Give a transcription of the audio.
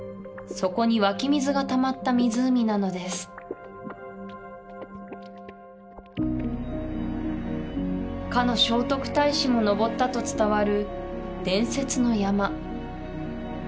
そこに湧き水がたまった湖なのですかの聖徳太子も登ったと伝わる伝説の山